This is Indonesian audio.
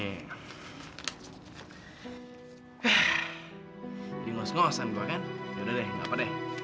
eh ini ngos ngosan gua kan yaudah deh gapapa deh